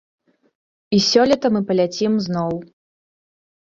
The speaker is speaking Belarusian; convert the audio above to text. І сёлета мы паляцім зноў.